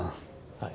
はい。